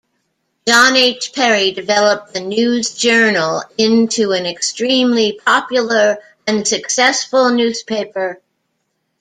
John H. Perry developed the "News Journal" into an extremely popular and successful newspaper.